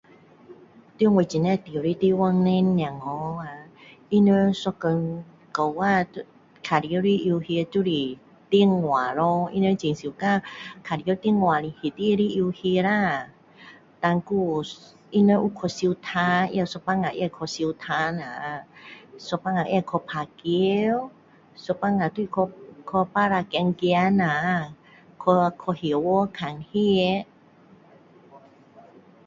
在我这里住的地方呢，小孩啊他们一天到晚都玩的游戏就是电话咯，他们很喜欢玩电话里面的游戏啦。但还有。他们有去游塘，有时候也去游塘啦有时后也有去打球，有时候就是去巴刹走走啦。去，去戏院看戏。